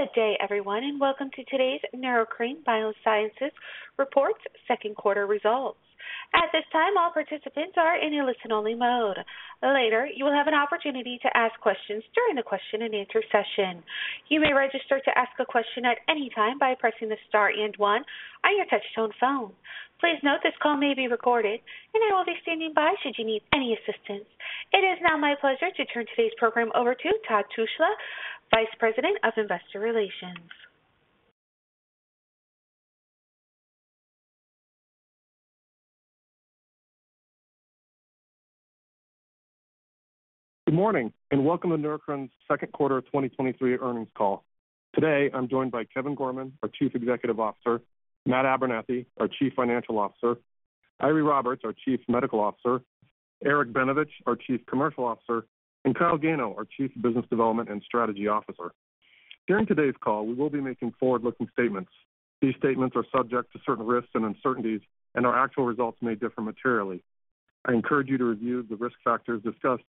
Good day, everyone, and welcome to today's Neurocrine Biosciences Reports Q2 results. At this time, all participants are in a listen-only mode. Later, you will have an opportunity to ask questions during the question-and-answer session. You may register to ask a question at any time by pressing the star and one on your touchtone phone. Please note, this call may be recorded, and I will be standing by should you need any assistance. It is now my pleasure to turn today's program over to Todd Tushla, Vice President of Investor Relations. Good morning, welcome to Neurocrine's Q2 2023 earnings call. Today, I'm joined by Kevin Gorman, our Chief Executive Officer, Matt Abernethy, our Chief Financial Officer, Eiry Roberts, our Chief Medical Officer, Eric Benevich, our Chief Commercial Officer, and Kyle Gano, our Chief Business Development and Strategy Officer. During today's call, we will be making forward-looking statements. These statements are subject to certain risks and uncertainties, our actual results may differ materially. I encourage you to review the risk factors discussed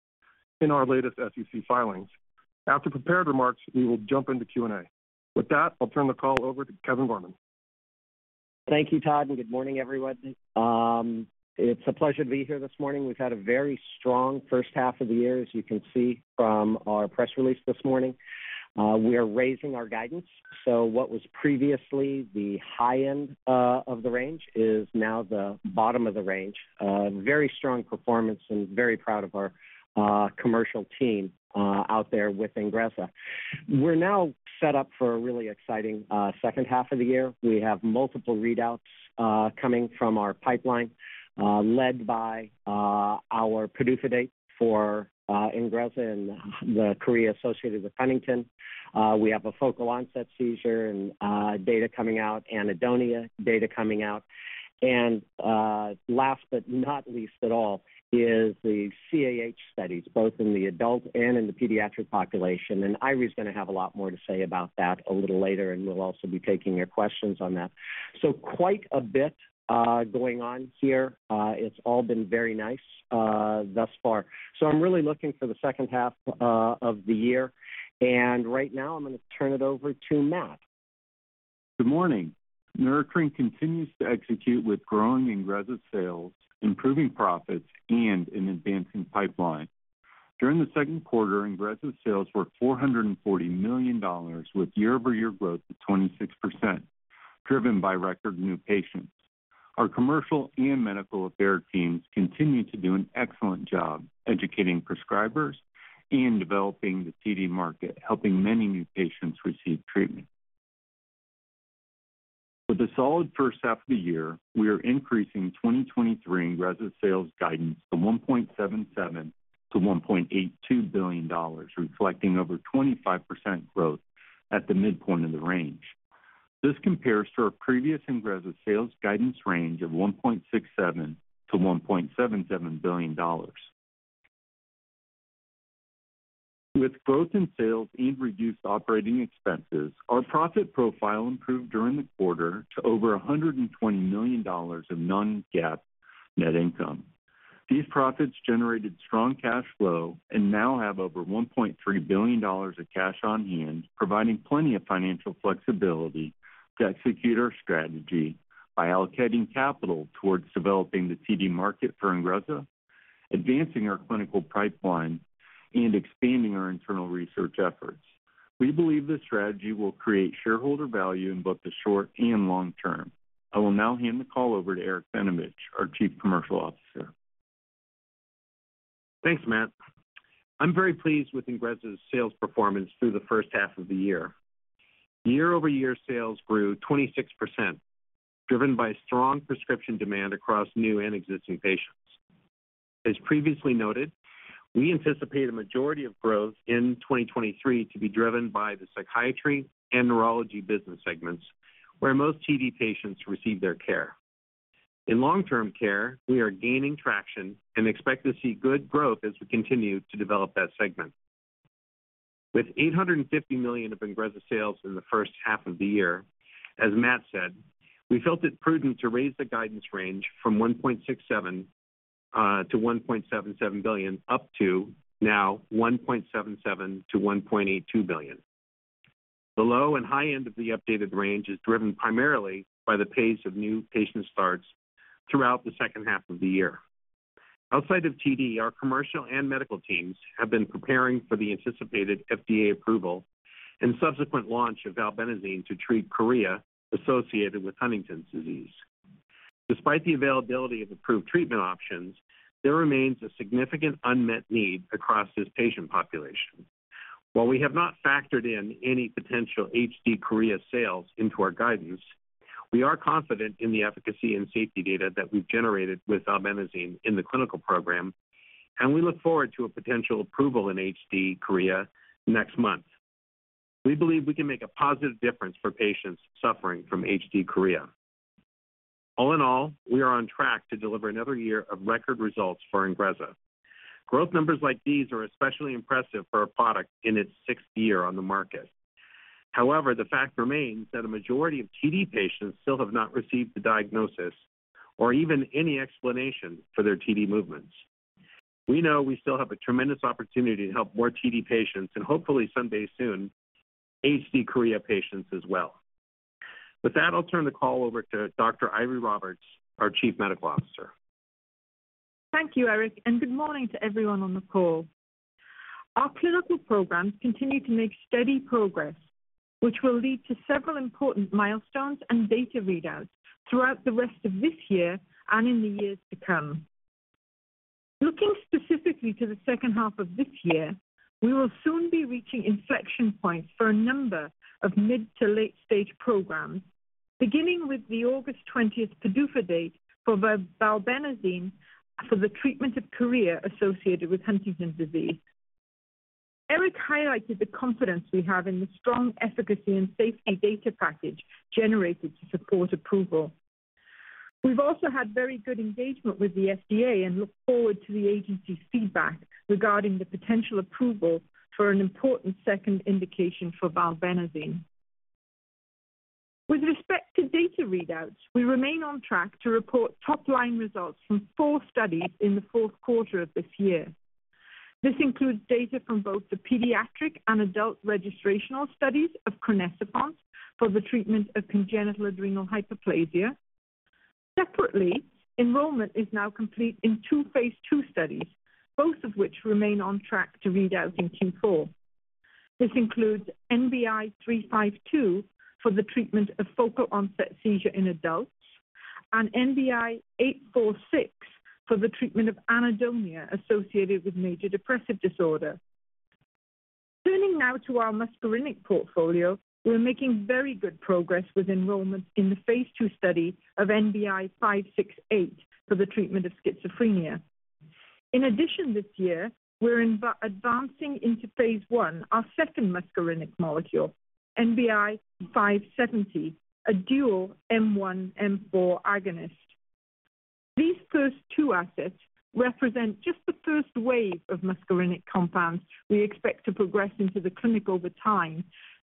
in our latest S.E.C. filings. After prepared remarks, we will jump into Q&A. With that, I'll turn the call over to Kevin Gorman. Thank you, Todd, and good morning, everyone. It's a pleasure to be here this morning. We've had a very strong first half of the year, as you can see from our press release this morning. We are raising our guidance. What was previously the high end of the range is now the bottom of the range. A very strong performance and very proud of our commercial team out there with Ingrezza. We're now set up for a really exciting H2. We have multiple readouts coming from our pipeline, led by our PDUFA date for Ingrezza and the Chorea associated with Huntington. We have a focal onset seizure and data coming out, anhedonia data coming out. Last but not least at all is the CAH studies, both in the adult and in the pediatric population. Eiry is going to have a lot more to say about that a little later, and we'll also be taking your questions on that. Quite a bit going on here. It's all been very nice thus far. I'm really looking for the H2, and right now I'm going to turn it over to Matt. Good morning. Neurocrine continues to execute with growing Ingrezza sales, improving profits, and an advancing pipeline. During the Q2, Ingrezza sales were $440 million, with year-over-year growth of 26%, driven by record new patients. Our commercial and medical affair teams continue to do an excellent job educating prescribers and developing the TD market, helping many new patients receive treatment. With a solid first half of the year, we are increasing 2023 Ingrezza sales guidance from $1.77 billion-$1.82 billion, reflecting over 25% growth at the midpoint of the range. This compares to our previous Ingrezza sales guidance range of $1.67 billion-$1.77 billion. With growth in sales and reduced operating expenses, our profit profile improved during the quarter to over $120 million of non-GAAP net income. These profits generated strong cash flow and now have over $1.3 billion of cash on hand, providing plenty of financial flexibility to execute our strategy by allocating capital towards developing the TD market for Ingrezza, advancing our clinical pipeline, and expanding our internal research efforts. We believe this strategy will create shareholder value in both the short and long term. I will now hand the call over to Eric Benevich, our Chief Commercial Officer. Thanks, Matt. I'm very pleased with Ingrezza's sales performance through the first half of the year. Year-over-year sales grew 26%, driven by strong prescription demand across new and existing patients. As previously noted, we anticipate a majority of growth in 2023 to be driven by the psychiatry and neurology business segments, where most TD patients receive their care. In long-term care, we are gaining traction and expect to see good growth as we continue to develop that segment. With $850 million of Ingrezza sales in the first half of the year, as Matt said, we felt it prudent to raise the guidance range from $1.67 billion-$1.77 billion, up to now $1.77 billion-$1.82 billion. The low and high end of the updated range is driven primarily by the pace of new patient starts throughout the H2. Outside of TD, our commercial and medical teams have been preparing for the anticipated FDA approval and subsequent launch of valbenazine to treat chorea associated with Huntington's disease. Despite the availability of approved treatment options, there remains a significant unmet need across this patient population. While we have not factored in any potential HD chorea sales into our guidance, we are confident in the efficacy and safety data that we've generated with valbenazine in the clinical program, and we look forward to a potential approval in HD chorea next month. We believe we can make a positive difference for patients suffering from HD chorea. All in all, we are on track to deliver another year of record results for Ingrezza. Growth numbers like these are especially impressive for a product in its sixth year on the market. However, the fact remains that a majority of TD patients still have not received a diagnosis or even any explanation for their TD movements. We know we still have a tremendous opportunity to help more TD patients, and hopefully someday soon, HD Chorea patients as well. With that, I'll turn the call over to Dr. Eiry Roberts, our Chief Medical Officer. Thank you, Eric. Good morning to everyone on the call. Our clinical programs continue to make steady progress, which will lead to several important milestones and data readouts throughout the rest of this year and in the years to come. Looking specifically to the second half of this year, we will soon be reaching inflection points for a number of mid to late-stage programs, beginning with the August 20th PDUFA date for valbenazine for the treatment of chorea associated with Huntington's disease. Eric highlighted the confidence we have in the strong efficacy and safety data package generated to support approval. We've also had very good engagement with the FDA and look forward to the agency's feedback regarding the potential approval for an important second indication for valbenazine. With respect to data readouts, we remain on track to report top-line results from 4 studies in the Q4 of this year. This includes data from both the pediatric and adult registrational studies of crinecerfont for the treatment of congenital adrenal hyperplasia. Separately, enrollment is now complete in 2 phase II studies, both of which remain on track to read out in Q4. This includes NBI-921352 for the treatment of focal onset seizure in adults and NBI-1065846 for the treatment of anhedonia associated with major depressive disorder. Turning now to our muscarinic portfolio, we're making very good progress with enrollment in the phase II study of NBI-1117568 for the treatment of schizophrenia. In addition, this year, we're advancing into phase I, our second muscarinic molecule, NBI-1117570, a dual M1M4 agonist. These first two assets represent just the first wave of muscarinic compounds we expect to progress into the clinic over time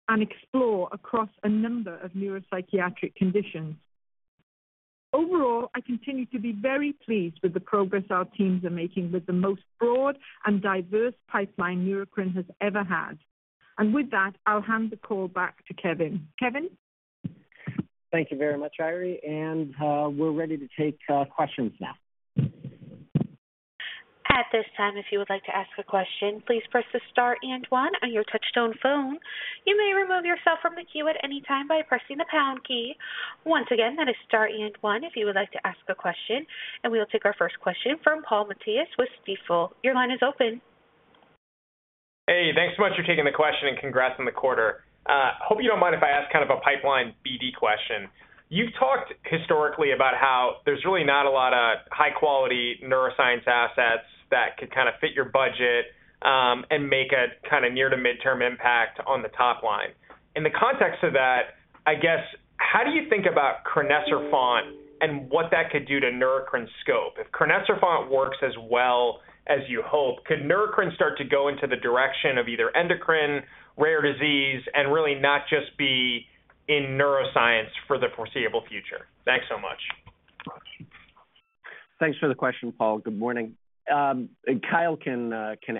and explore across a number of neuropsychiatric conditions. Overall, I continue to be very pleased with the progress our teams are making with the most broad and diverse pipeline Neurocrine has ever had. With that, I'll hand the call back to Kevin. Kevin? Thank you very much, Eiry, and we're ready to take questions now. At this time, if you would like to ask a question, please press the star one on your touchtone phone. You may remove yourself from the queue at any time by pressing the pound key. Once again, that is star one if you would like to ask a question, and we will take our first question from Paul Matteis with Stifel. Your line is open. Hey, thanks so much for taking the question and congrats on the quarter. Hope you don't mind if I ask kind of a pipeline BD question. You've talked historically about how there's really not a lot of high-quality neuroscience assets that could kind of fit your budget, and make a kind of near to midterm impact on the top line. In the context of that, I guess, how do you think about crinecerfont and what that could do to Neurocrine scope? If crinecerfont works as well as you hope, could Neurocrine start to go into the direction of either endocrine, rare disease, and really not just be in neuroscience for the foreseeable future? Thanks so much. Thanks for the question, Paul. Good morning. Kyle can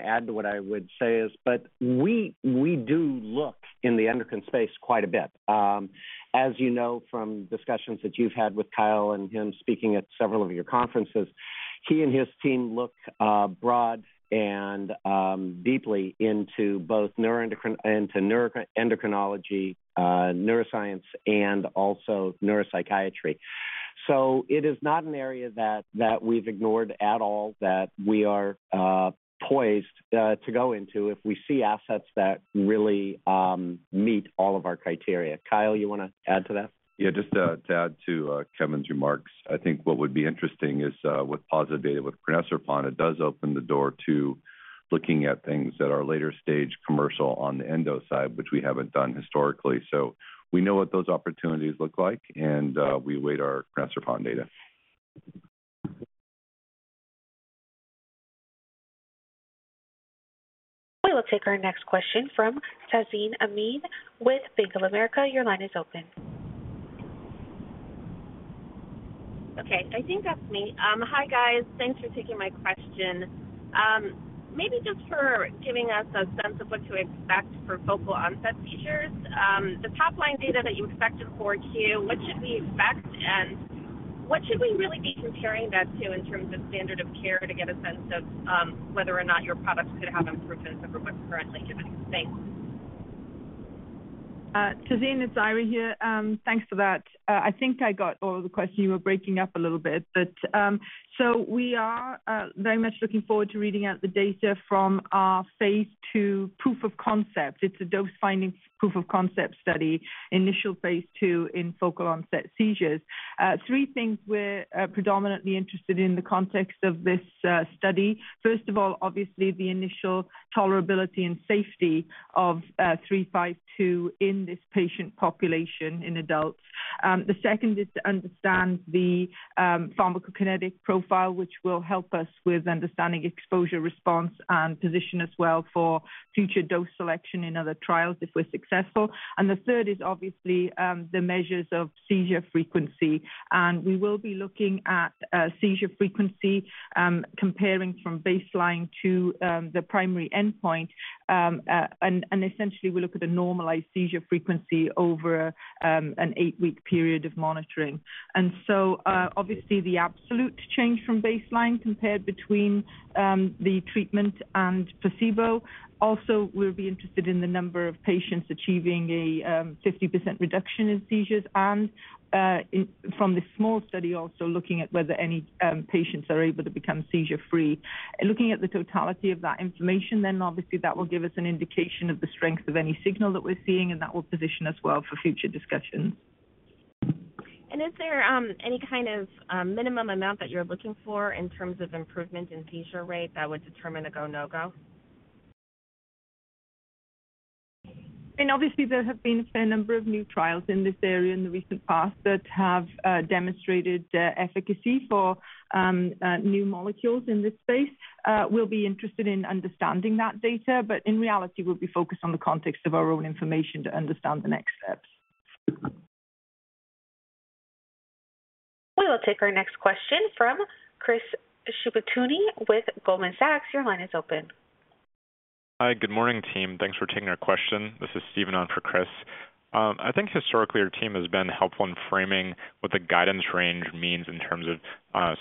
add to what I would say is, but we, we do look in the endocrine space quite a bit. As you know, from discussions that you've had with Kyle and him speaking at several of your conferences, he and his team look broad and deeply into both neuroendocrinology, neuroscience, and also neuropsychiatry. It is not an area that, that we've ignored at all, that we are poised to go into if we see assets that really meet all of our criteria. Kyle, you want to add to that? Yeah, just, to add to, Kevin's remarks, I think what would be interesting is, with positive data with crinecerfont, it does open the door to looking at things that are later stage commercial on the endo side, which we haven't done historically. We know what those opportunities look like, and, we await our crinecerfont data. We will take our next question from Tasin Amin with Bank of America. Your line is open. Okay, I think that's me. Hi, guys. Thanks for taking my question. Maybe just for giving us a sense of what to expect for focal onset seizures, the top-line data that you expected for Q, what should we expect, and what should we really be comparing that to in terms of standard of care to get a sense of whether or not your products could have improvement over what's currently given? Thanks. Tasin, it's Eiry here. Thanks for that. I think I got all the questions. You were breaking up a little bit. We are very much looking forward to reading out the data from our phase II proof of concept. It's a dose-finding proof of concept study, initial phase II in focal onset seizures. Three things we're predominantly interested in the context of this study. First of all, obviously, the initial tolerability and safety of 352 in this patient population in adults. The second is to understand the pharmacokinetic profile, which will help us with understanding exposure, response, and position as well for future dose selection in other trials, if we're successful. The third is obviously, the measures of seizure frequency. We will be looking at seizure frequency, comparing from baseline to the primary endpoint. Essentially, we look at a normalized seizure frequency over an 8-week period of monitoring. Obviously, the absolute change from baseline compared between the treatment and placebo. We'll be interested in the number of patients achieving a 50% reduction in seizures and, from this small study, also looking at whether any patients are able to become seizure-free. Looking at the totality of that information, then obviously that will give us an indication of the strength of any signal that we're seeing, and that will position us well for future discussions. Is there any kind of minimum amount that you're looking for in terms of improvement in seizure rate that would determine a go, no-go? Obviously, there have been a fair number of new trials in this area in the recent past that have demonstrated efficacy for new molecules in this space. We'll be interested in understanding that data, but in reality, we'll be focused on the context of our own information to understand the next steps. We will take our next question from Chris Shibutani with Goldman Sachs. Your line is open. Hi, good morning, team. Thanks for taking our question. This is Steven on for Chris. I think historically, your team has been helpful in framing what the guidance range means in terms of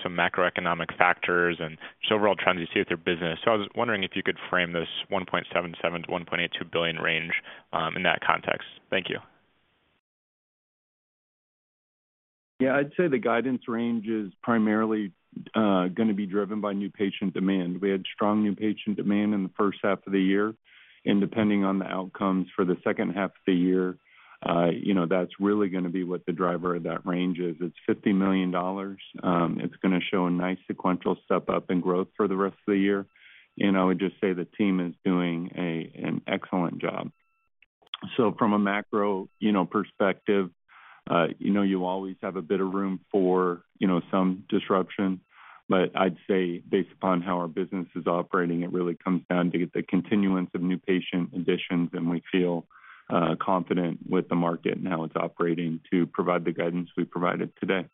some macroeconomic factors and just overall trends you see with your business. I was wondering if you could frame this $1.77-1.82 billion range, in that context. Thank you. Yeah, I'd say the guidance range is primarily going to be driven by new patient demand. We had strong new patient demand in the first H1, and depending on the outcomes for the H2, you know, that's really going to be what the driver of that range is. It's $50 million. It's going to show a nice sequential step up in growth for the rest of the year. I would just say the team is doing an excellent job. From a macro, you know, perspective, you know, you always have a bit of room for, you know, some disruption. I'd say based upon how our business is operating, it really comes down to get the continuance of new patient additions, and we feel, confident with the market and how it's operating to provide the guidance we provided today.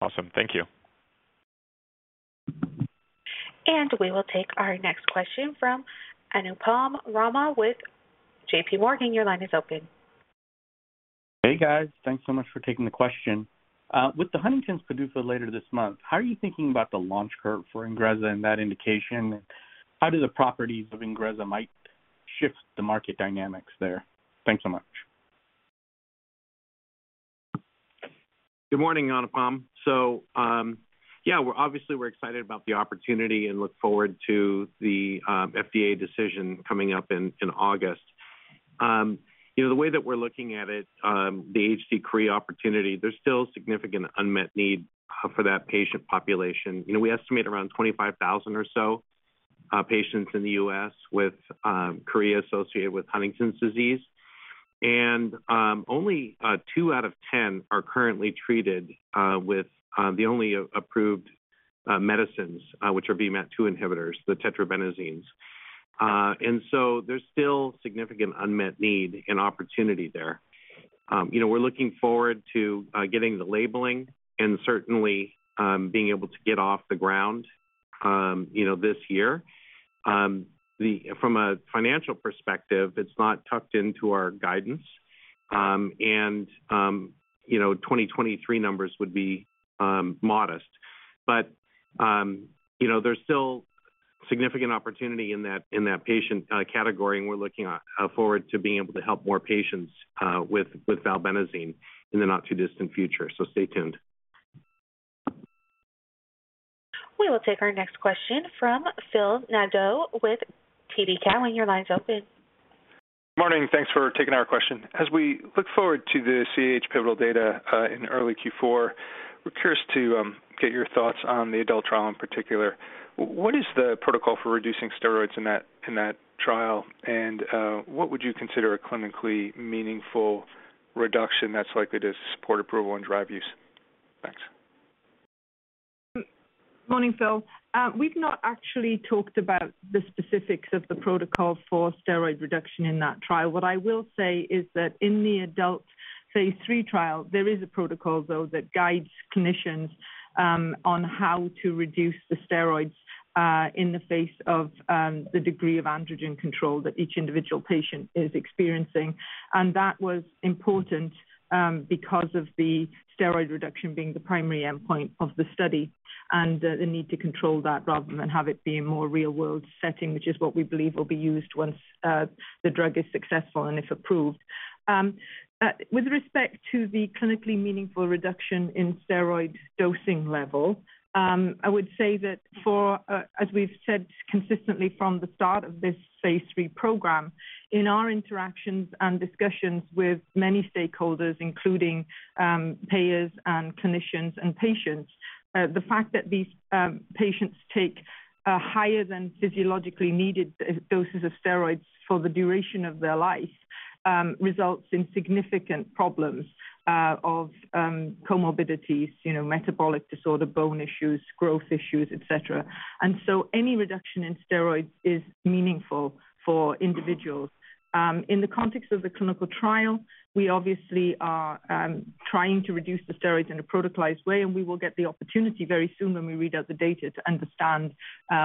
Awesome. Thank you. We will take our next question from Anupam Rama with J.P. Morgan. Your line is open. Hey, guys. Thanks so much for taking the question. With the Huntington's PDUFA later this month, how are you thinking about the launch curve for Ingrezza in that indication? How do the properties of Ingrezza might shift the market dynamics there? Thanks so much. Good morning, Anupam. Yeah, we're obviously, we're excited about the opportunity and look forward to the FDA decision coming up in August. You know, the way that we're looking at it, the HD chorea opportunity, there's still significant unmet need for that patient population. You know, we estimate around 25,000 or so patients in the U.S. with chorea associated with Huntington's disease. Only 2 out of 10 are currently treated with the only approved medicines which are VMAT2 inhibitors, the Tetrabenazines. There's still significant unmet need and opportunity there. You know, we're looking forward to getting the labeling and certainly being able to get off the ground, you know, this year. From a financial perspective, it's not tucked into our guidance. You know, 2023 numbers would be, modest. You know, there's still significant opportunity in that, in that patient, category, and we're looking, forward to being able to help more patients, with, with valbenazine in the not-too-distant future. Stay tuned. We will take our next question from Philip Nadeau with TD Cowen. Your line is open. Morning. Thanks for taking our question. As we look forward to the CH pivotal data, in early Q4, we're curious to get your thoughts on the adult trial in particular. What is the protocol for reducing steroids in that, in that trial? What would you consider a clinically meaningful reduction that's likely to support approval and drive use? Thanks. Morning, Phil. We've not actually talked about the specifics of the protocol for steroid reduction in that trial. What I will say is that in the adult phase III trial, there is a protocol, though, that guides clinicians on how to reduce the steroids in the face of the degree of androgen control that each individual patient is experiencing. That was important because of the steroid reduction being the primary endpoint of the study. And the need to control that rather than have it be a more real-world setting, which is what we believe will be used once the drug is successful and if approved. With respect to the clinically meaningful reduction in steroid dosing level, I would say that for, as we've said consistently from the start of this phase III program, in our interactions and discussions with many stakeholders, including payers and clinicians and patients, the fact that these patients take a higher than physiologically needed doses of steroids for the duration of their life, results in significant problems of comorbidities, you know, metabolic disorder, bone issues, growth issues, et cetera. Any reduction in steroids is meaningful for individuals. In the context of the clinical trial, we obviously are trying to reduce the steroids in a protocolized way, and we will get the opportunity very soon when we read out the data, to understand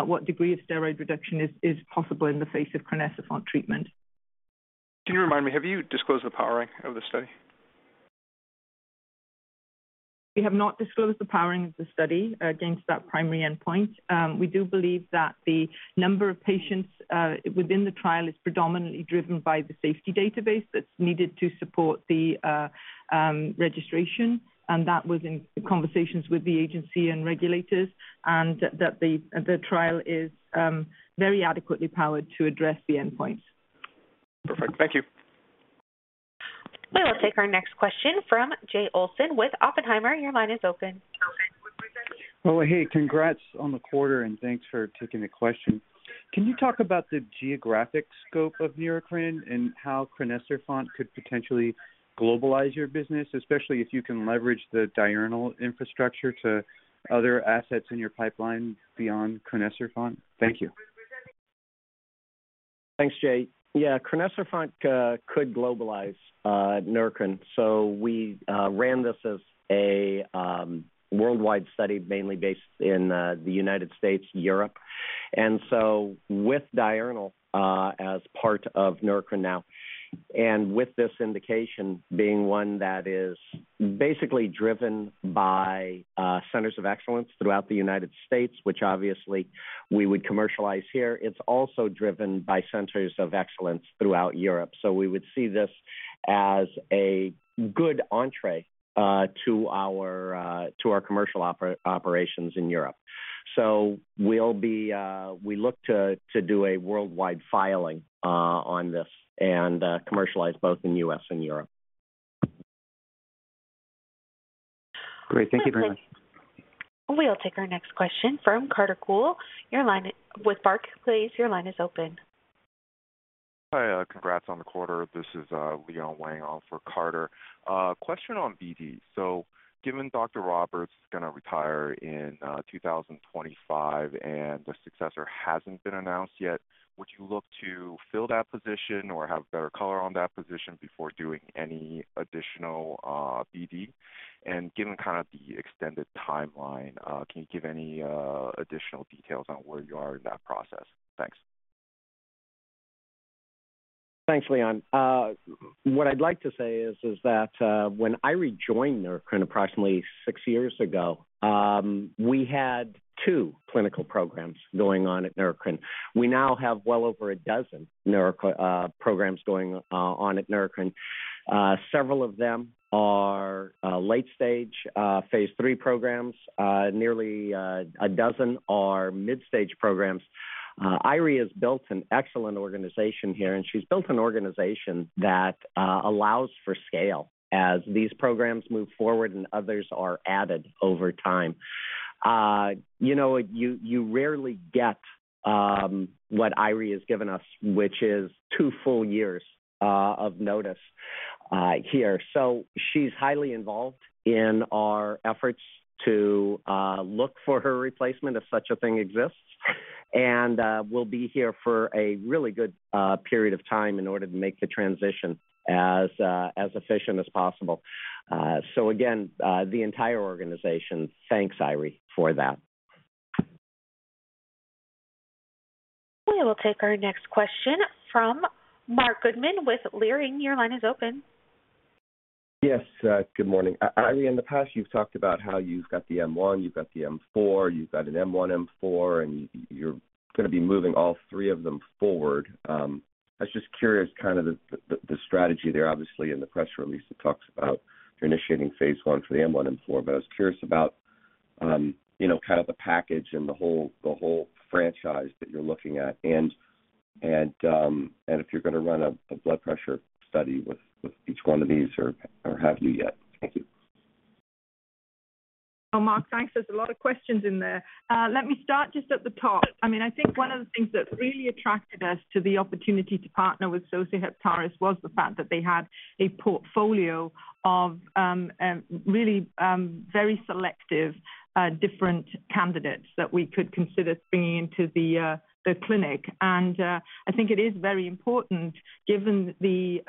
what degree of steroid reduction is possible in the face of crinecerfont treatment. Can you remind me, have you disclosed the powering of the study? We have not disclosed the powering of the study against that primary endpoint. We do believe that the number of patients, within the trial is predominantly driven by the safety database that's needed to support the, registration. That was in conversations with the agency and regulators. That the, the trial is, very adequately powered to address the endpoints. Perfect. Thank you. We will take our next question from Jay Olson with Oppenheimer. Your line is open. Well, hey, congrats on the quarter. Thanks for taking the question. Can you talk about the geographic scope of Neurocrine and how crinecerfont could potentially globalize your business, especially if you can leverage the Diurnal infrastructure to other assets in your pipeline beyond crinecerfont? Thank you. Thanks, Jay. Yeah, crinecerfont could globalize Neurocrine. We ran this as a worldwide study, mainly based in the United States, Europe. With Diurnal as part of Neurocrine now, and with this indication being one that is basically driven by centers of excellence throughout the United States, which obviously we would commercialize here, it's also driven by centers of excellence throughout Europe. We would see this as a good entree to our to our commercial operations in Europe. We'll be we look to do a worldwide filing on this and commercialize both in U.S. and Europe. Great. Thank you very much. We will take our next question from Carter Gould. Your line with Barclays, please. Your line is open. Hi, congrats on the quarter. This is Leon Wang in for Carter. Question on BD. Given Dr. Roberts is going to retire in 2025, and the successor hasn't been announced yet, would you look to fill that position or have better color on that position before doing any additional BD? Given kind of the extended timeline, can you give any additional details on where you are in that process? Thanks. Thanks, Leon. What I'd like to say is, is that when I rejoined Neurocrine approximately six years ago, we had two clinical programs going on at Neurocrine. We now have well over a dozen neuro programs going on at Neurocrine. Several of them are late stage, phase III programs. Nearly a dozen are mid-stage programs. Eiry has built an excellent organization here, and she's built an organization that allows for scale as these programs move forward and others are added over time. You know, you rarely get what Eiry has given us, which is two full years of notice here. She's highly involved in our efforts to look for her replacement, if such a thing exists, and we'll be here for a really good period of time in order to make the transition as efficient as possible. Again, the entire organization thanks Eiry for that. We will take our next question from Marc Goodman with Leerink. Your line is open. Yes, good morning. Eiry, in the past, you've talked about how you've got the M1, you've got the M4, you've got an M1/M4, and you're going to be moving all three of them forward. I was just curious, kind of the, the, the strategy there. Obviously, in the press release, it talks about you're initiating phase I for the M1/ M4. I was curious about, you know, kind of the package and the whole, the whole franchise that you're looking at, and, and, and if you're going to run a, a blood pressure study with, with each one of these, or, or have you yet? Thank you. Well, Marc, thanks. There's a lot of questions in there. Let me start just at the top. I mean, I think one of the things that really attracted us to the opportunity to partner with Sosei Heptares was the fact that they had a portfolio of really very selective different candidates that we could consider bringing into the clinic. I think it is very important, given the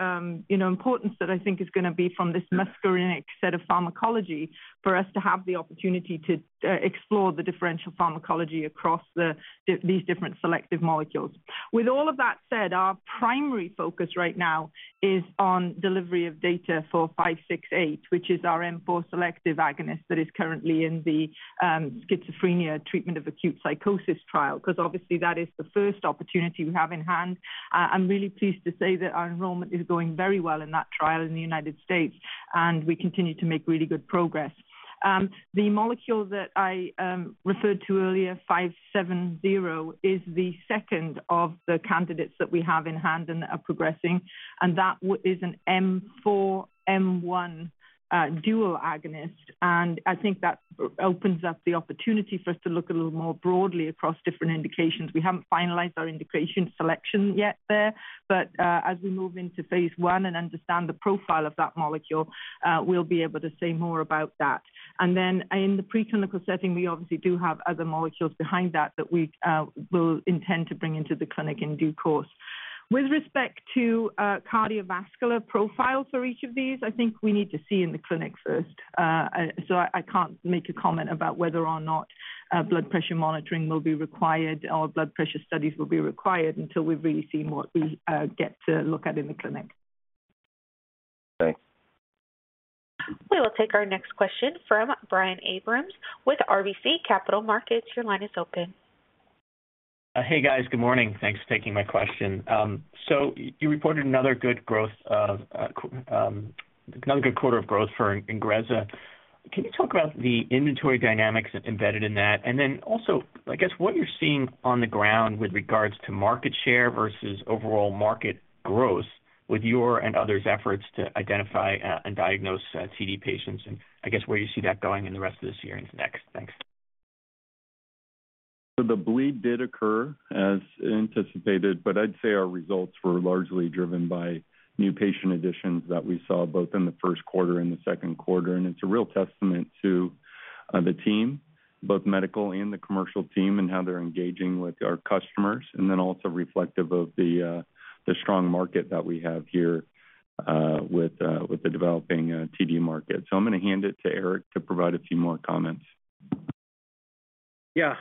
you know, importance that I think is going to be from this muscarinic set of pharmacology, for us to have the opportunity to explore the differential pharmacology across these different selective molecules. With all of that said, our primary focus right now is on delivery of data for 568, which is our M4 selective agonist that is currently in the schizophrenia treatment of acute psychosis trial, because obviously that is the first opportunity we have in hand. I'm really pleased to say that our enrollment is going very well in that trial in the United States, and we continue to make really good progress. The molecule that I referred to earlier, 570, is the second of the candidates that we have in hand and are progressing, and that is an M4/M1 dual agonist, and I think that opens up the opportunity for us to look a little more broadly across different indications. We haven't finalized our indication selection yet there, as we move into phase I and understand the profile of that molecule, we'll be able to say more about that. In the preclinical setting, we obviously do have other molecules behind that, that we will intend to bring into the clinic in due course. With respect to, cardiovascular profile for each of these, I think we need to see in the clinic first. I can't make a comment about whether or not, blood pressure monitoring will be required, or blood pressure studies will be required until we've really seen what we, get to look at in the clinic. Thanks. We will take our next question from Brian Abrahams with RBC Capital Markets. Your line is open. Hey, guys, good morning. Thanks for taking my question. You reported another good growth of another good quarter of growth for Ingrezza. Can you talk about the inventory dynamics embedded in that? Then also, I guess, what you're seeing on the ground with regards to market share versus overall market growth with your and others' efforts to identify and diagnose TD patients, and I guess where you see that going in the rest of this year and next? Thanks. The bleed did occur as anticipated, but I'd say our results were largely driven by new patient additions that we saw both in the Q1 and the Q2. It's a real testament to the team, both medical and the commercial team, and how they're engaging with our customers, and then also reflective of the strong market that we have here with the developing TD market. I'm going to hand it to Eric to provide a few more comments. Yeah.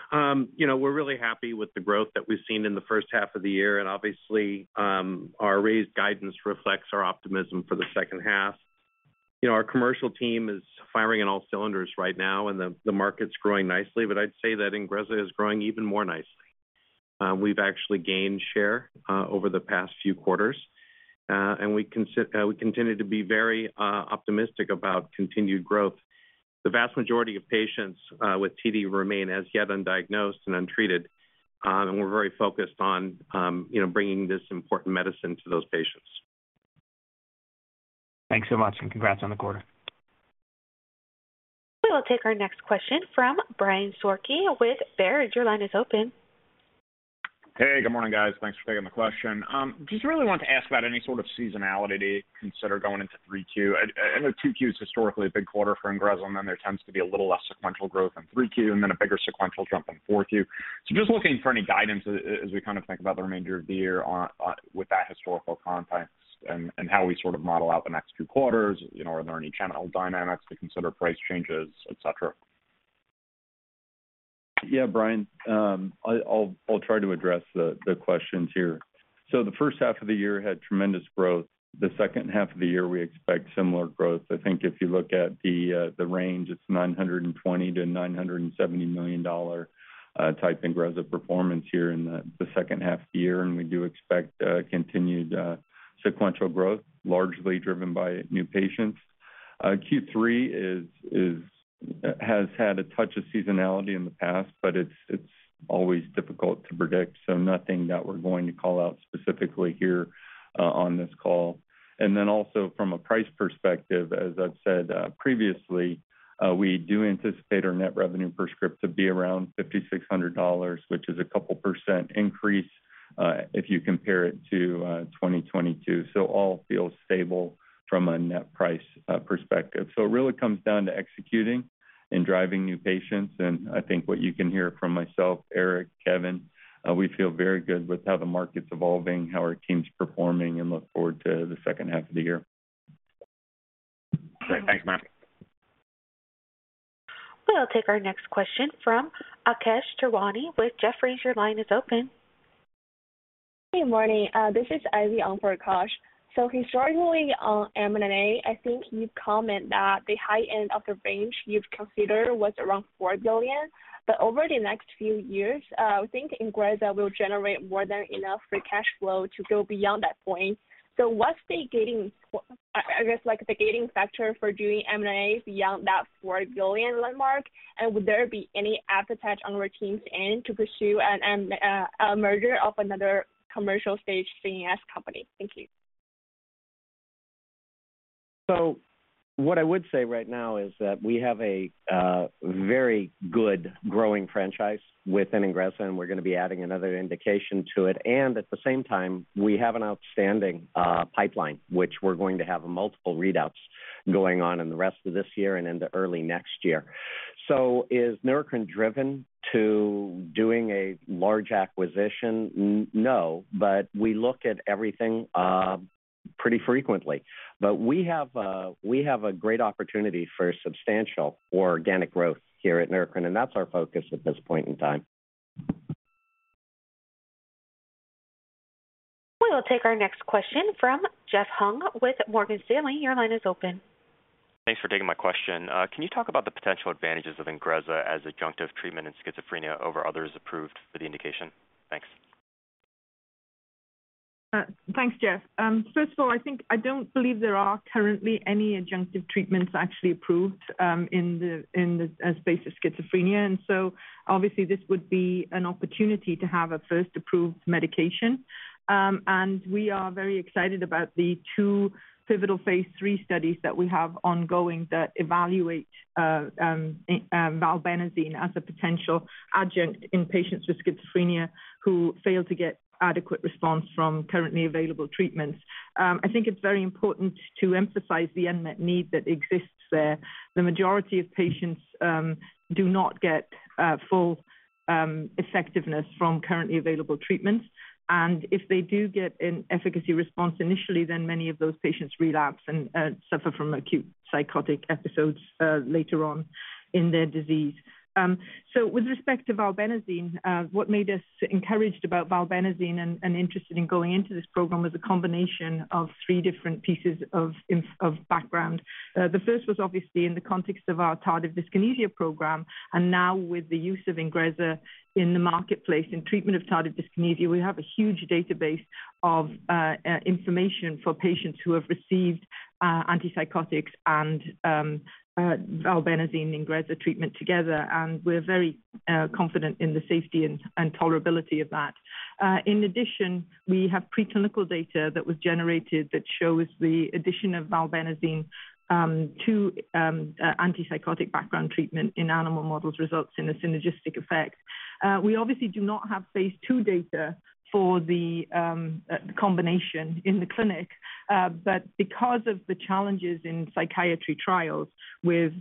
You know, we're really happy with the growth that we've seen in the H1, and obviously, our raised guidance reflects our optimism for the second half. You know, our commercial team is firing on all cylinders right now, and the, the market's growing nicely, but I'd say that Ingrezza is growing even more nicely. We've actually gained share over the past few quarters, and we continue to be very optimistic about continued growth. The vast majority of patients with TD remain as yet undiagnosed and untreated, and we're very focused on, you know, bringing this important medicine to those patients. Thanks so much. Congrats on the quarter. We will take our next question from Brian Skorney with Baird. Your line is open. Hey, good morning, guys. Thanks for taking my question. Just really want to ask about any sort of seasonality consider going into Q3. I know Q2 is historically a big quarter for Ingrezza, and then there tends to be a little less sequential growth in Q3 and then a bigger sequential jump inQ4. So just looking for any guidance as we kind of think about the remainder of the year on, with that historical context and, and how we sort of model out the next few quarters. You know, are there any channel dynamics to consider, price changes, et cetera? Yeah, Brian, I'll try to address the questions here. The first half of the year had tremendous growth. The H2, we expect similar growth. I think if you look at the range, it's $920- 970 million type Ingrezza performance here in the H2, and we do expect continued sequential growth, largely driven by new patients. Q3 has had a touch of seasonality in the past, but it's always difficult to predict, so nothing that we're going to call out specifically here on this call. Then also from a price perspective, as I've said, previously, we do anticipate our net revenue per script to be around $5,600, which is a couple % increase, if you compare it to 2022. All feels stable from a net price perspective. It really comes down to executing and driving new patients. I think what you can hear from myself, Eric, Kevin, we feel very good with how the market's evolving, how our team's performing, and look forward to the H2. Thanks, Matt. We'll take our next question from Akash Tewari with Jefferies. Your line is open. Good morning. This is Ivy on for Akash. Historically on M&A, I think you've commented that the high end of the range you've considered was around $4 billion, but over the next few years, I think Ingrezza will generate more than enough free cash flow to go beyond that point. What's the gating, I guess, like the gating factor for doing M&A beyond that $4 billion landmark? Would there be any appetite on our team's end to pursue a merger of another commercial stage CNS company? Thank you. What I would say right now is that we have a very good growing franchise within Ingrezza, and we're going to be adding another indication to it. At the same time, we have an outstanding pipeline, which we're going to have multiple readouts going on in the rest of this year and into early next year. Is Neurocrine driven to doing a large acquisition? No, we look at everything pretty frequently. We have a, we have a great opportunity for substantial organic growth here at Neurocrine, and that's our focus at this point in time. We will take our next question from Jeff Hung with Morgan Stanley. Your line is open. Thanks for taking my question. Can you talk about the potential advantages of Ingrezza as adjunctive treatment in schizophrenia over others approved for the indication? Thanks. Thanks, Jeff. First of all, I think I don't believe there are currently any adjunctive treatments actually approved in the, in the, as base of schizophrenia. So obviously this would be an opportunity to have a first approved medication. We are very excited about the two pivotal phase III studies that we have ongoing that evaluate valbenazine as a potential adjunct in patients with schizophrenia who fail to get adequate response from currently available treatments. I think it's very important to emphasize the unmet need that exists there. The majority of patients do not get full effectiveness from currently available treatments. If they do get an efficacy response initially, then many of those patients relapse and suffer from acute psychotic episodes later on in their disease. With respect to valbenazine, what made us encouraged about valbenazine and, and interested in going into this program was a combination of three different pieces of in, of background. The first was obviously in the context of our tardive dyskinesia program, and now with the use of Ingrezza in the marketplace in treatment of tardive dyskinesia, we have a huge database of information for patients who have received antipsychotics and valbenazine Ingrezza treatment together, and we're very confident in the safety and, and tolerability of that. In addition, we have preclinical data that was generated that shows the addition of valbenazine to antipsychotic background treatment in animal models, results in a synergistic effect. We obviously do not have Q2 data for the combination in the clinic, but because of the challenges in psychiatry trials with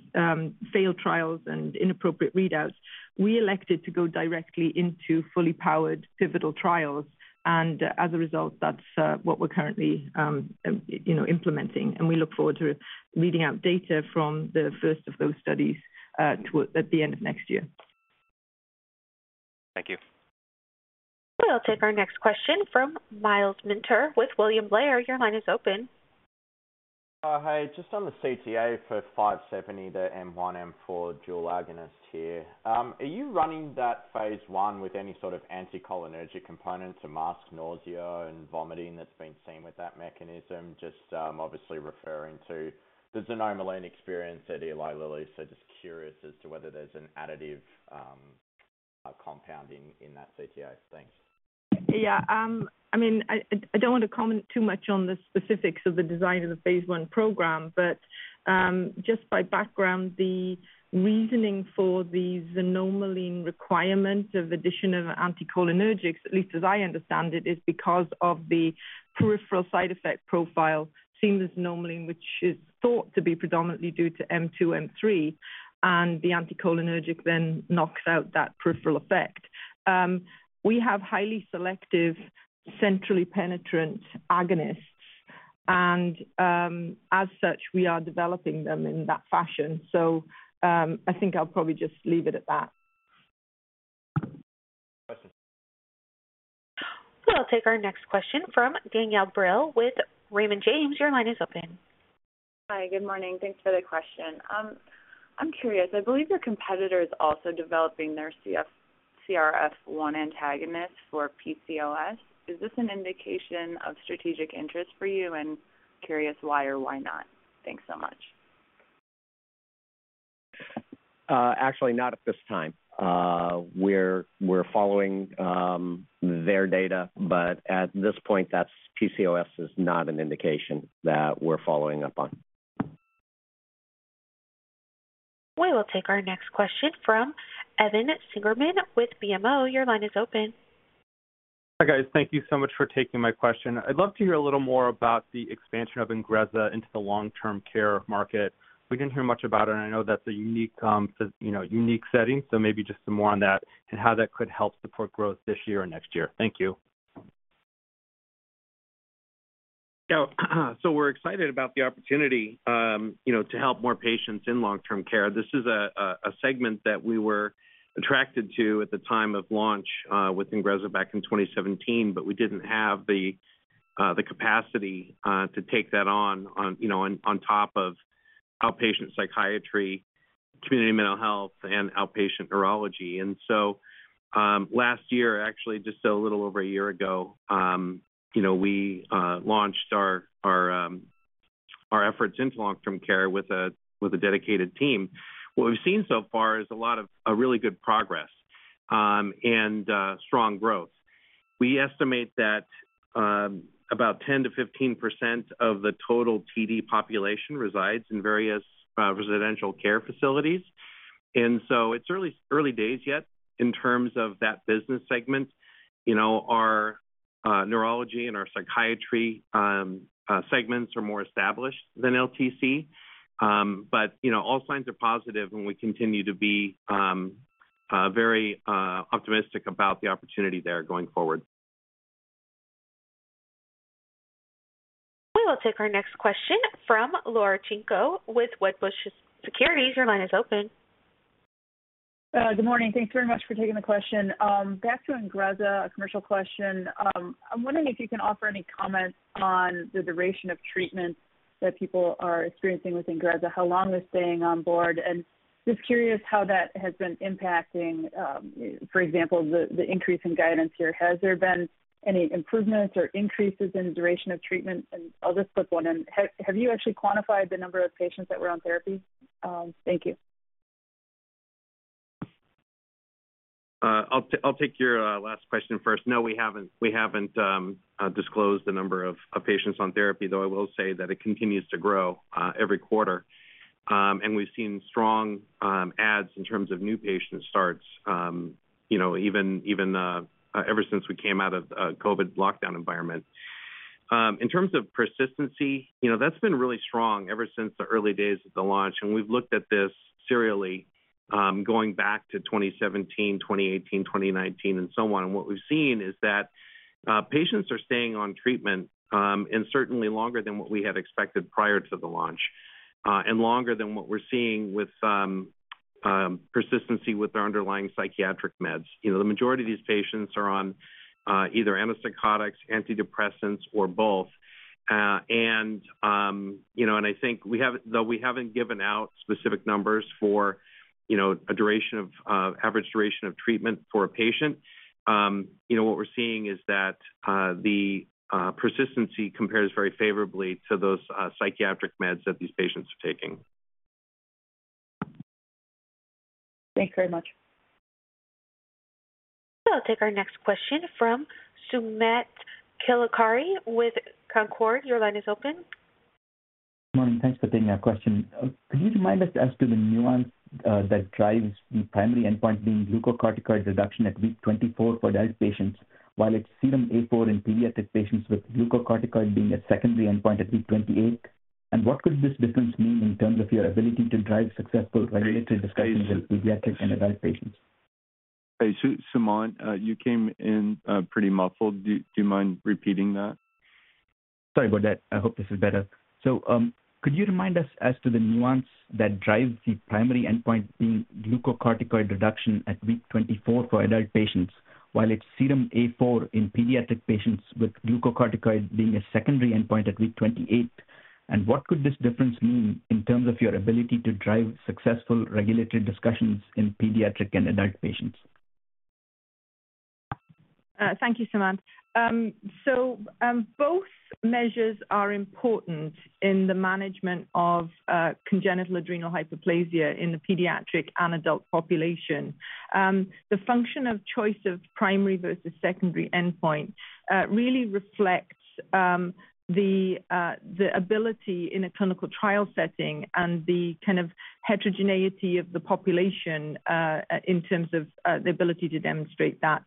failed trials and inappropriate readouts, we elected to go directly into fully powered pivotal trials. As a result, that's what we're currently, you know, implementing, and we look forward to reading out data from the first of those studies toward, at the end of next year. Thank you. We'll take our next question from Myles Minter with William Blair. Your line is open. Hi. Just on the CTA for 570, the M1/ M4 dual agonist here. Are you running that phase I with any sort of anticholinergic component to mask nausea and vomiting that's been seen with that mechanism? Just, obviously referring to the xanomeline experience at Eli Lilly. Just curious as to whether there's an additive compound in that CTA. Thanks. Yeah. I mean, I, I, I don't want to comment too much on the specifics of the design of the phase I program, but, just by background, the reasoning for the xanomeline requirement of addition of anticholinergics, at least as I understand it, is because of the peripheral side effect profile seen with xanomeline, which is thought to be predominantly due to M2/M3, the anticholinergic then knocks out that peripheral effect. We have highly selective, centrally penetrant agonists. As such, we are developing them in that fashion. I think I'll probably just leave it at that. Question. We'll take our next question from Danielle Brill with Raymond James. Your line is open. Hi. Good morning. Thanks for the question. I'm curious, I believe your competitor is also developing their CRF1 antagonist for PCOS. Is this an indication of strategic interest for you? Curious, why or why not? Thanks so much. Actually, not at this time. We're following, their data. At this point, that's PCOS is not an indication that we're following up on. We will take our next question from Evan Seigerman with BMO. Your line is open. Hi, guys. Thank you so much for taking my question. I'd love to hear a little more about the expansion of Ingrezza into the long-term care market. We didn't hear much about it, and I know that's a unique, you know, unique setting, so maybe just some more on that and how that could help support growth this year or next year. Thank you. We're excited about the opportunity, you know, to help more patients in long-term care. This is a segment that we were attracted to at the time of launch with Ingrezza back in 2017, but we didn't have the capacity to take that on, on, you know, on, on top of outpatient psychiatry, community mental health, and outpatient neurology. Last year, actually, just a little over a year ago, you know, we launched our, our, our efforts into long-term care with a, with a dedicated team. What we've seen so far is a lot of, a really good progress, and strong growth. We estimate that about 10%-15% of the total TD population resides in various residential care facilities. It's early, early days yet in terms of that business segment. You know, our neurology and our psychiatry segments are more established than LTC. You know, all signs are positive, and we continue to be very optimistic about the opportunity there going forward. We will take our next question from Laura Chico with Wedbush Securities. Your line is open. Good morning. Thanks very much for taking the question. Back to Ingrezza, a commercial question. I'm wondering if you can offer any comments on the duration of treatment that people are experiencing with Ingrezza, how long they're staying on board, and just curious how that has been impacting, for example, the, the increase in guidance here. Has there been any improvements or increases in duration of treatment? I'll just put one in: Have, have you actually quantified the number of patients that were on therapy? Thank you. I'll take, I'll take your last question first. No, we haven't. We haven't disclosed the number of patients on therapy, though I will say that it continues to grow every quarter. We've seen strong adds in terms of new patient starts, you know, even, even ever since we came out of COVID lockdown environment. In terms of persistency, you know, that's been really strong ever since the early days of the launch, and we've looked at this serially, going back to 2017, 2018, 2019, and so on. What we've seen is that patients are staying on treatment, and certainly longer than what we had expected prior to the launch, and longer than what we're seeing with some persistency with their underlying psychiatric meds. You know, the majority of these patients are on either antipsychotics, antidepressants, or both. You know, I think we have- though we haven't given out specific numbers for, you know, a duration of average duration of treatment for a patient, you know, what we're seeing is that the persistency compares very favorably to those psychiatric meds that these patients are taking. Thanks very much. I'll take our next question from Sumant Kulkarni with Canaccord. Your line is open. Morning. Thanks for taking my question. Could you remind us as to the nuance that drives the primary endpoint being glucocorticoid reduction at week 24 for diet patients, while it's serum androstenedione (A4) in pediatric patients with glucocorticoid being a secondary endpoint at week 28? What could this difference mean in terms of your ability to drive successful regulatory discussions with pediatric and adult patients? Hey, Sumant, you came in pretty muffled. Do you mind repeating that? Sorry about that. I hope this is better. Could you remind us as to the nuance that drives the primary endpoint being glucocorticoid reduction at week 24 for adult patients, while it's serum A4 in pediatric patients with glucocorticoid being a secondary endpoint at week 28? What could this difference mean in terms of your ability to drive successful regulatory discussions in pediatric and adult patients? Thank you, Sumant. Both measures are important in the management of congenital adrenal hyperplasia in the pediatric and adult population. The function of choice of primary versus secondary endpoint really reflects the ability in a clinical trial setting and the kind of heterogeneity of the population in terms of the ability to demonstrate that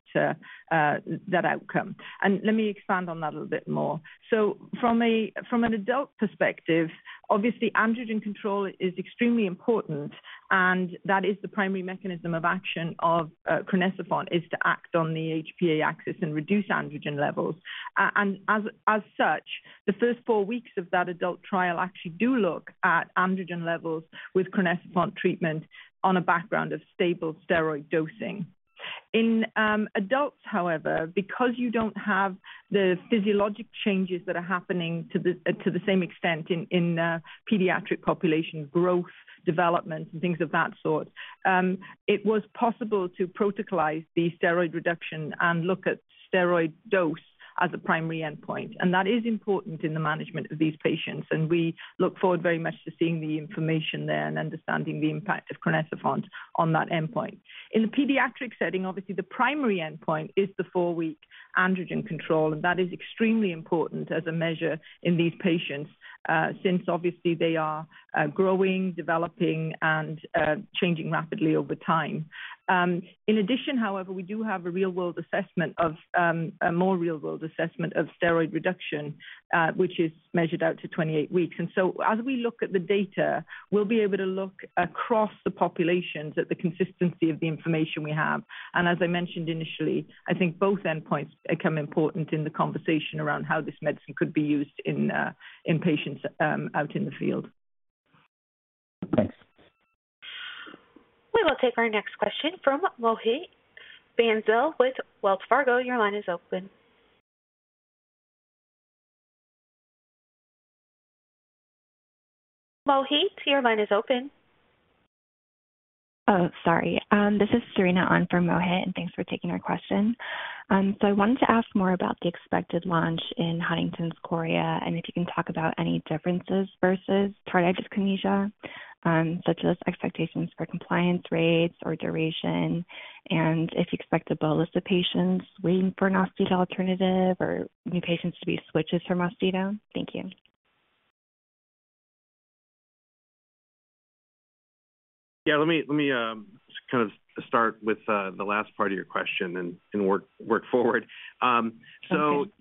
outcome. Let me expand on that a little bit more. From an adult perspective, obviously, androgen control is extremely important, and that is the primary mechanism of action of crinecerfont is to act on the HPA axis and reduce androgen levels. As such, the first 4 weeks of that adult trial actually do look at androgen levels with crinecerfont treatment on a background of stable steroid dosing. In adults, however, because you don't have the physiologic changes that are happening to the same extent in pediatric population, growth, development, and things of that sort, it was possible to protocolize the steroid reduction and look at steroid dose as a primary endpoint. That is important in the management of these patients, and we look forward very much to seeing the information there and understanding the impact of crinecerfont on that endpoint. In the pediatric setting, obviously, the primary endpoint is the 4-week androgen control, and that is extremely important as a measure in these patients, since obviously they are growing, developing, and changing rapidly over time. In addition, however, we do have a real-world assessment of a more real-world assessment of steroid reduction, which is measured out to 28 weeks. As we look at the data, we'll be able to look across the populations at the consistency of the information we have. As I mentioned initially, I think both endpoints become important in the conversation around how this medicine could be used in patients out in the field. Thanks. We will take our next question from Mohit Bansal with Wells Fargo. Your line is open. Mohit, your line is open. Oh, sorry. This is Serena on for Mohit. Thanks for taking our question. I wanted to ask more about the expected launch in Huntington's chorea, if you can talk about any differences versus tardive dyskinesia, such as expectations for compliance rates or duration, if you expect a bolus of patients waiting for an osteo alternative or new patients to be switches from osteo. Thank you. Yeah, let me, let me, kind of start with, the last part of your question and, and work, work forward. Okay.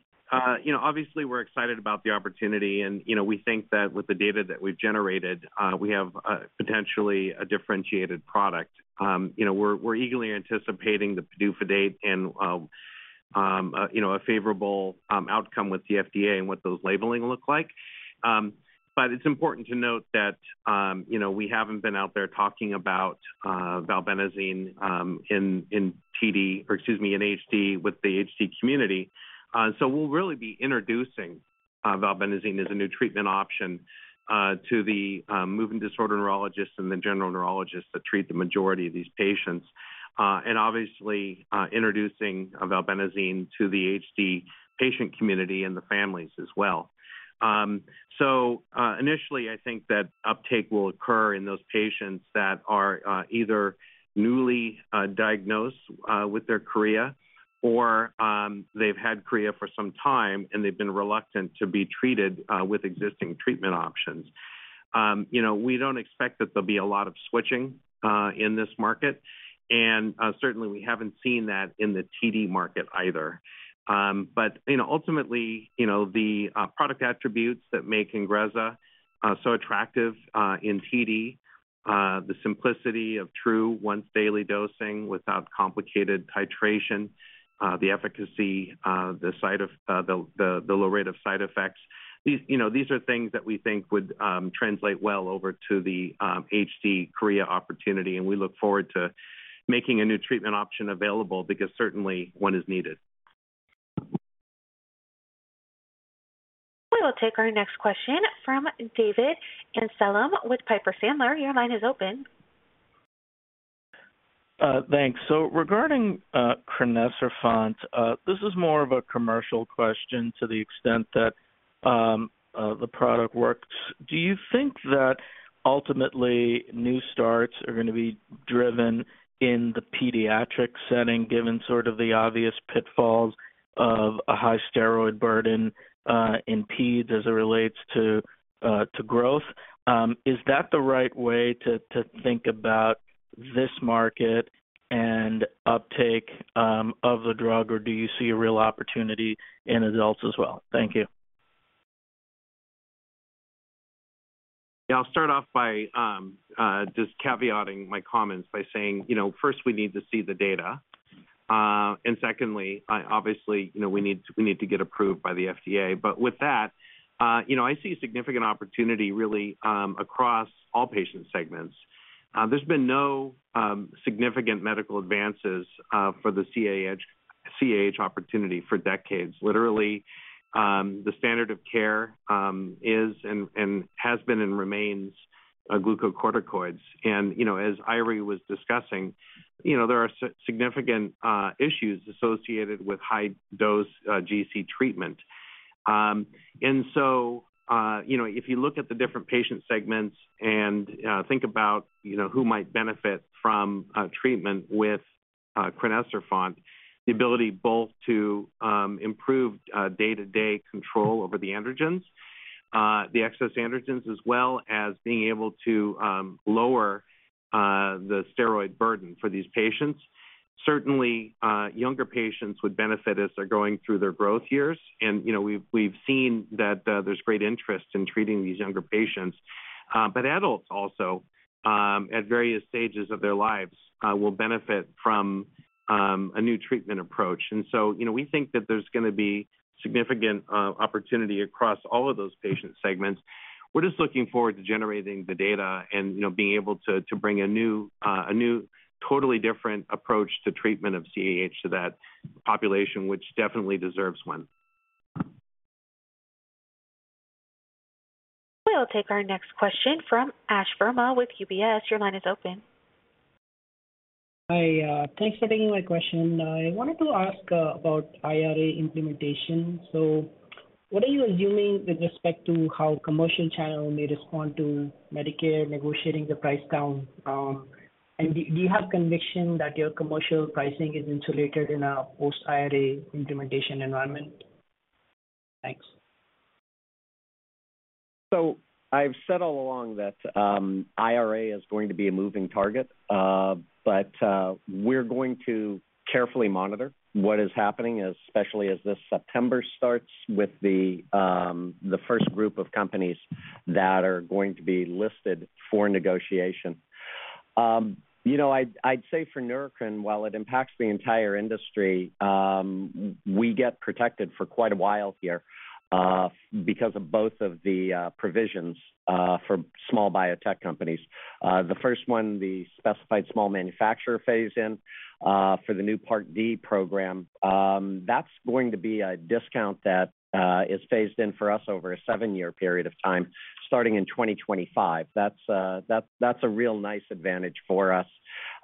You know, obviously we're excited about the opportunity and, you know, we think that with the data that we've generated, we have potentially a differentiated product. You know, we're eagerly anticipating the PDUFA date and, you know, a favorable outcome with the FDA and what those labeling look like. It's important to note that, you know, we haven't been out there talking about valbenazine in TD, or excuse me, in HD with the HD community. We'll really be introducing valbenazine as a new treatment option to the movement disorder neurologists and the general neurologists that treat the majority of these patients. Obviously, introducing valbenazine to the HD patient community and the families as well. Initially, I think that uptake will occur in those patients that are either newly diagnosed with their chorea, or they've had chorea for some time, and they've been reluctant to be treated with existing treatment options. You know, we don't expect that there'll be a lot of switching in this market, and certainly, we haven't seen that in the TD market either. You know, ultimately, you know, the product attributes that make Ingrezza so attractive in TD, the simplicity of true once-daily dosing without complicated titration, the efficacy, the side of the, the low rate of side effects. These, you know, these are things that we think would translate well over to the HD chorea opportunity, and we look forward to making a new treatment option available because certainly one is needed. We will take our next question from David Amsellem with Piper Sandler. Your line is open. Thanks. Regarding crinecerfont, this is more of a commercial question to the extent that the product works. Do you think that ultimately new starts are going to be driven in the pediatric setting, given sort of the obvious pitfalls of a high steroid burden in peds as it relates to growth? Is that the right way to think about this market and uptake of the drug, or do you see a real opportunity in adults as well? Thank you. Yeah, I'll start off by just caveating my comments by saying: You know, first, we need to see the data. Secondly, I obviously, you know, we need to, we need to get approved by the FDA. With that, you know, I see a significant opportunity really, across all patient segments. There's been no significant medical advances for the CAH, CAH opportunity for decades. Literally, the standard of care is and, and has been and remains, glucocorticoids. You know, as Eiry Roberts was discussing, you know, there are significant issues associated with high-dose GC treatment. You know, if you look at the different patient segments and think about, you know, who might benefit from a treatment with crinecerfont, the ability both to improve day-to-day control over the androgens, the excess androgens, as well as being able to lower the steroid burden for these patients. Certainly, younger patients would benefit as they're going through their growth years. You know, we've, we've seen that there's great interest in treating these younger patients. Adults also at various stages of their lives will benefit from a new treatment approach. You know, we think that there's going to be significant opportunity across all of those patient segments. We're just looking forward to generating the data and, you know, being able to, to bring a new, a new, totally different approach to treatment of CAH to that population, which definitely deserves one. We'll take our next question from Ashvin Verma with UBS. Your line is open. Hi, thanks for taking my question. I wanted to ask about IRA implementation. What are you assuming with respect to how commercial channel may respond to Medicare negotiating the price down? Do, do you have conviction that your commercial pricing is insulated in a post-IRA implementation environment? Thanks. I've said all along that, IRA is going to be a moving target. We're going to carefully monitor what is happening, especially as this September starts with the first group of companies that are going to be listed for negotiation. You know, I'd, I'd say for Neurocrine, while it impacts the entire industry, we get protected for quite a while here, because of both of the provisions for small biotech companies. The first one, the Specified Small Manufacturer Phase-In, for the new Part D program, that's going to be a discount that is phased in for us over a seven-year period of time, starting in 2025. That's a, that's, that's a real nice advantage for us,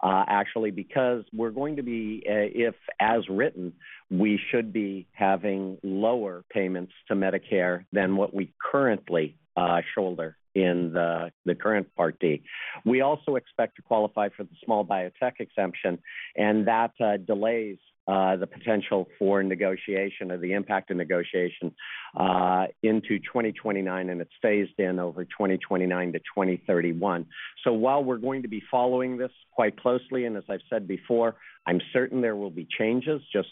actually, because we're going to be, if as written, we should be having lower payments to Medicare than what we currently shoulder in the current Part D. We also expect to qualify for the Small Biotech Exception, and that delays the potential for negotiation or the impact of negotiation into 2029, and it's phased in over 2029 to 2031. While we're going to be following this quite closely, and as I've said before, I'm certain there will be changes, just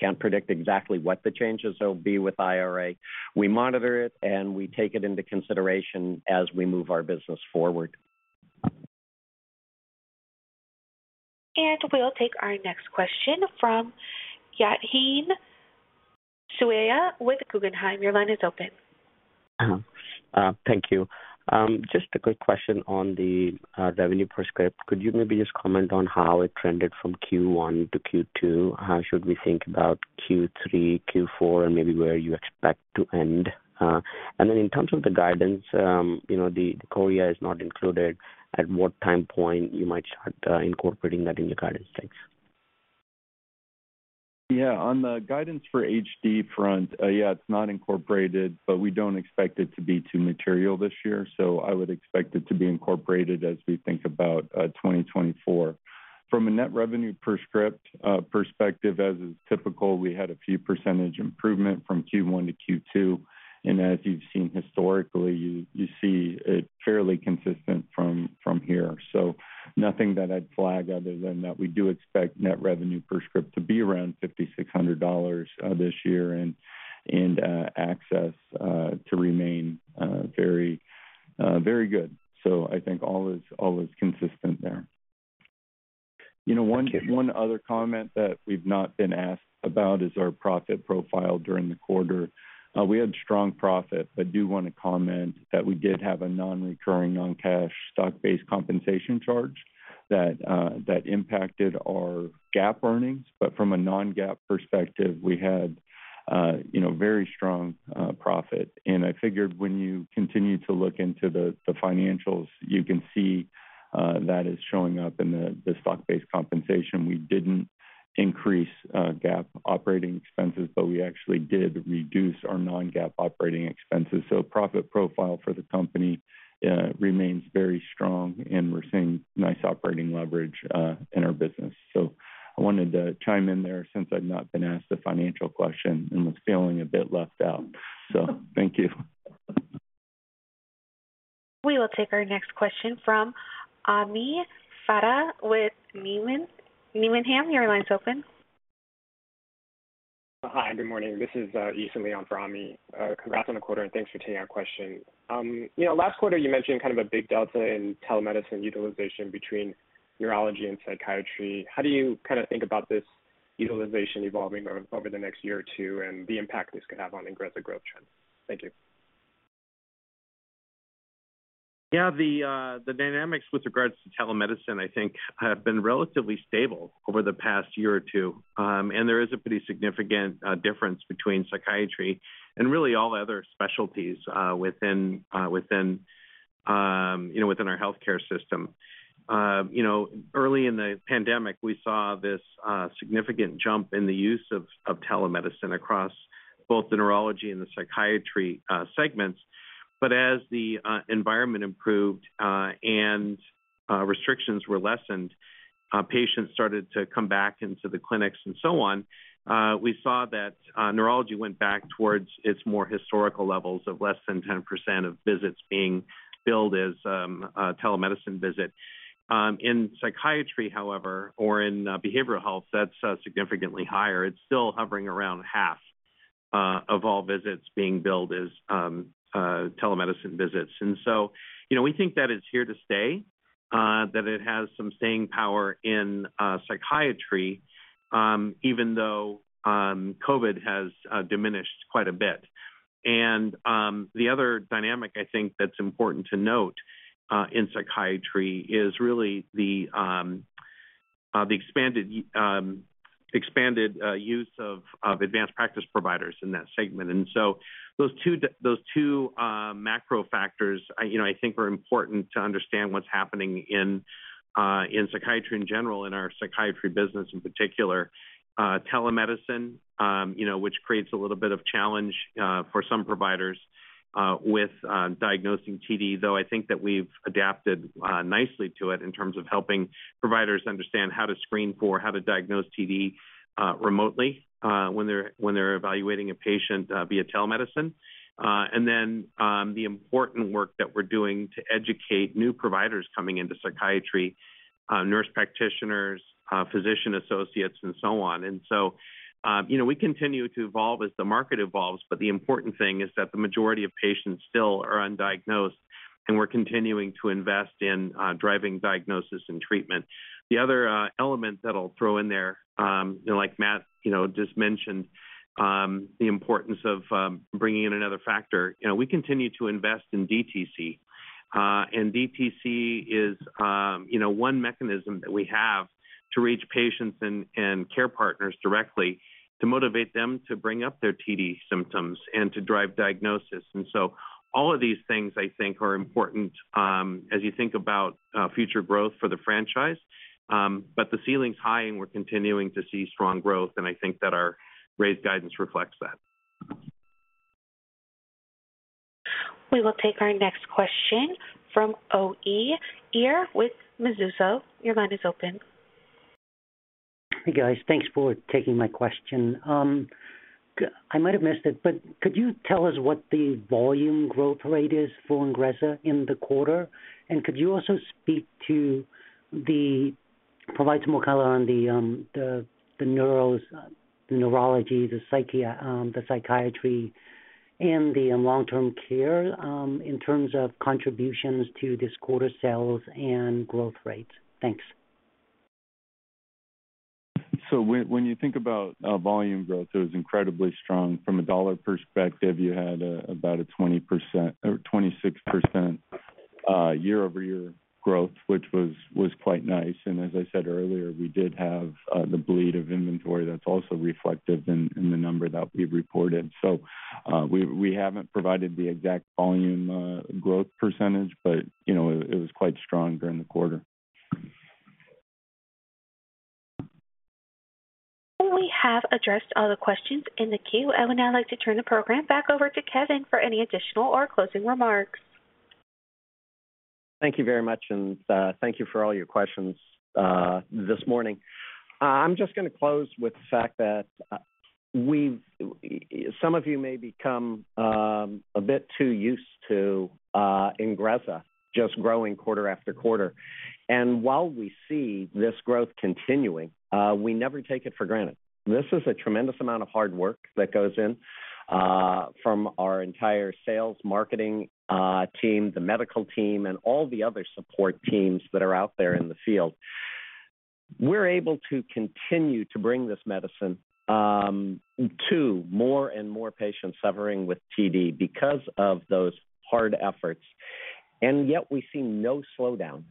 can't predict exactly what the changes will be with IRA. We monitor it, and we take it into consideration as we move our business forward. We'll take our next question from Yatin Suneja with Guggenheim. Your line is open. Thank you. Just a quick question on the revenue per script. Could you maybe just comment on how it trended from Q1 to Q2? How should we think about Q3, Q4, and maybe where you expect to end? In terms of the guidance, you know, the chorea is not included. At what time point you might start incorporating that in your guidance? Thanks. Yeah. On the guidance for HD front, yeah, it's not incorporated, we don't expect it to be too material this year. I would expect it to be incorporated as we think about 2024. From a net revenue per script perspective, as is typical, we had a few % improvement from Q1 to Q2, and as you've seen historically, you, you see it fairly consistent from here. Nothing that I'd flag other than that we do expect net revenue per script to be around $5,600 this year and access to remain very, very good. I think all is consistent there. You know, one- Thank you. One other comment that we've not been asked about is our profit profile during the quarter. We had strong profit, but I do want to comment that we did have a nonrecurring non-cash stock-based compensation charge that impacted our GAAP earnings. From a non-GAAP perspective, we had, you know, very strong profit. I figured when you continue to look into the financials, you can see that is showing up in the stock-based compensation. We didn't increase GAAP operating expenses, but we actually did reduce our non-GAAP operating expenses. Profit profile for the company remains very strong, and we're seeing nice operating leverage in our business. I wanted to chime in there since I've not been asked a financial question and was feeling a bit left out. Thank you. We will take our next question from Ami Fadia with Needham & Company. Your line is open. Hi, good morning. This is Ethan Leong for Ami. Congrats on the quarter, and thanks for taking our question. You know, last quarter, you mentioned kind of a big delta in telemedicine utilization between neurology and psychiatry. How do you kind of think about this utilization evolving over the next year or two and the impact this could have on Ingrezza growth trend? Thank you. Yeah, the dynamics with regards to telemedicine, I think, have been relatively stable over the past year or two. There is a pretty significant difference between psychiatry and really all other specialties within, within, you know, within our healthcare system. You know, early in the pandemic, we saw this significant jump in the use of, of telemedicine across both the neurology and the psychiatry segments. As the environment improved, and restrictions were lessened, patients started to come back into the clinics and so on. We saw that neurology went back towards its more historical levels of less than 10% of visits being billed as a telemedicine visit. In psychiatry, however, or in behavioral health, that's significantly higher. It's still hovering around half of all visits being billed as telemedicine visits. You know, we think that it's here to stay, that it's has some staying power in psychiatry, even though COVID has diminished quite a bit. The other dynamic I think that's important to note in psychiatry is really the expanded, expanded use of advanced practice providers in that segment. Those two macro factors, I, you know, I think are important to understand what's happening in psychiatry in general, in our psychiatry business in particular. Telemedicine, you know, which creates a little bit of challenge for some providers with diagnosing TD, though I think that we've adapted nicely to it in terms of helping providers understand how to screen for, how to diagnose TD remotely when they're evaluating a patient via telemedicine. Then the important work that we're doing to educate new providers coming into psychiatry, nurse practitioners, physician associates, and so on. You know, we continue to evolve as the market evolves, but the important thing is that the majority of patients still are undiagnosed, and we're continuing to invest in driving diagnosis and treatment. The other element that I'll throw in there, like Matt, you know, just mentioned, the importance of bringing in another factor. You know, we continue to invest in DTC. DTC is, you know, one mechanism that we have to reach patients and care partners directly to motivate them to bring up their TD symptoms and to drive diagnosis. All of these things, I think, are important as you think about future growth for the franchise. The ceiling's high, and we're continuing to see strong growth, and I think that our raised guidance reflects that. We will take our next question from Uy Ear with Mizuho. Your line is open. Hey, guys. Thanks for taking my question. I might have missed it, but could you tell us what the volume growth rate is for Ingrezza in the quarter? Could you also speak to the.. provide some more color on the neurology, the psychiatry and the long-term care in terms of contributions to this quarter's sales and growth rates? Thanks. When, when you think about volume growth, it was incredibly strong. From a dollar perspective, you had about a 20% or 26% year-over-year growth, which was, was quite nice. As I said earlier, we did have the bleed of inventory that's also reflective in the number that we reported. We, we haven't provided the exact volume growth percentage, but, you know, it, it was quite strong during the quarter. We have addressed all the questions in the queue. I would now like to turn the program back over to Kevin for any additional or closing remarks. Thank you very much, thank you for all your questions this morning. I'm just gonna close with the fact that some of you may become a bit too used to Ingrezza just growing quarter after quarter. While we see this growth continuing, we never take it for granted. This is a tremendous amount of hard work that goes in from our entire sales marketing team, the medical team, and all the other support teams that are out there in the field. We're able to continue to bring this medicine to more and more patients suffering with TD because of those hard efforts, and yet we see no slowdown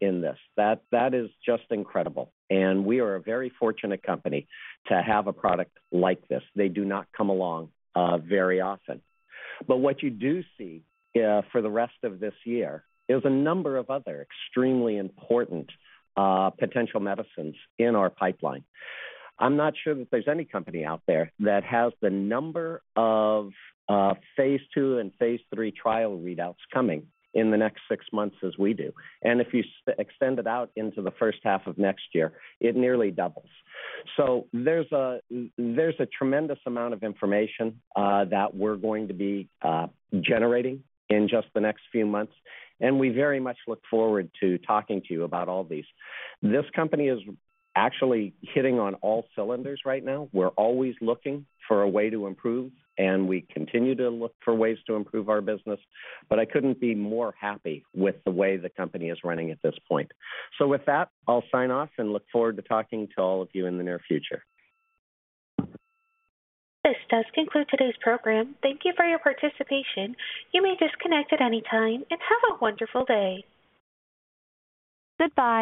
in this. That is just incredible, and we are a very fortunate company to have a product like this. They do not come along very often. What you do see, for the rest of this year, is a number of other extremely important potential medicines in our pipeline. I'm not sure that there's any company out there that has the number of phase II and phase III trial readouts coming in the next 6 months as we do. If you extend it out into the first half of next year, it nearly doubles. There's a tremendous amount of information that we're going to be generating in just the next few months, and we very much look forward to talking to you about all these. This company is actually hitting on all cylinders right now. We're always looking for a way to improve, and we continue to look for ways to improve our business, but I couldn't be more happy with the way the company is running at this point. With that, I'll sign off and look forward to talking to all of you in the near future. This does conclude today's program. Thank you for your participation. You may disconnect at any time. Have a wonderful day. Goodbye.